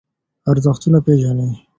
ارزښتونه پېژنئ.